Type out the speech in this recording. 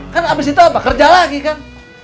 kan abis itu apa kerja lagi kan